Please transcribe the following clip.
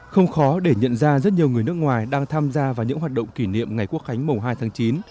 không khó để nhận ra rất nhiều người nước ngoài đang tham gia vào những hoạt động kỷ niệm ngày quốc khánh mùng hai tháng chín